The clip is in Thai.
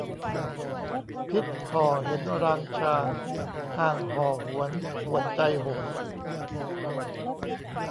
พิศห่อเห็นรางชาง ห่างห่อหวนป่วนใจโหย